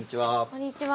こんにちは。